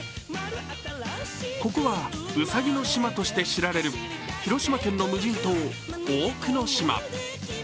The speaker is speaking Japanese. ここはうさぎの島として知られる広島県の無人島、大久野島。